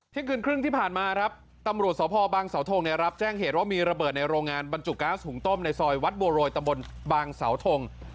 คืนครึ่งที่ผ่านมาครับตำรวจสพบางสาวทงเนี่ยรับแจ้งเหตุว่ามีระเบิดในโรงงานบรรจุก๊าซหุงต้มในซอยวัดบัวโรยตำบลบางเสาทง